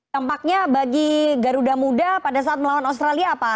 dampaknya bagi garuda muda pada saat melawan australia apa